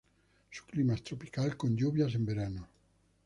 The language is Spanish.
Su clima es tropical con lluvias en verano.